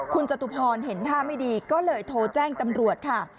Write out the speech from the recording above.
คุณจตุพรเห็นท่าไม่ดีก็เลยโทรแจ้งตำรวจค่ะ